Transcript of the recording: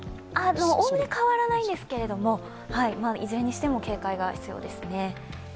おおむね変わらないんですけど、いずれにしても警戒が必要ですね。